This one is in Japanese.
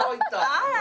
あら！